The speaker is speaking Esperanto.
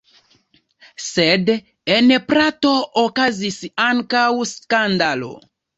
Sed en Prato okazis ankaŭ skandalo.